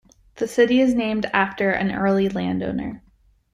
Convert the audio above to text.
The city is named after an early landowner.